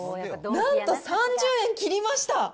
なんと３０円切りました。